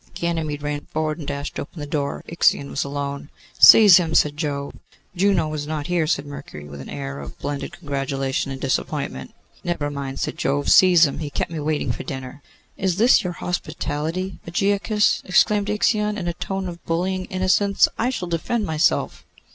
Ganymede ran forward, and dashed open the door. Ixion was alone. 'Seize him!' said Jove. 'Juno is not here,' said Mercury, with an air of blended congratulation and disappointment. 'Never mind,' said Jove; 'seize him! He kept me waiting for dinner.' 'Is this your hospitality, Ægiochus?' exclaimed Ixion, in a tone of bullying innocence. 'I shall defend myself.